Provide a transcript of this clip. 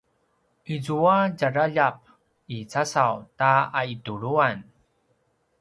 izua djaraljap i casaw ta aituluan